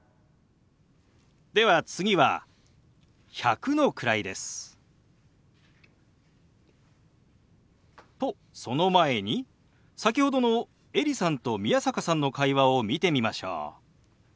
では次は１００の位です。とその前に先ほどのエリさんと宮坂さんの会話を見てみましょう。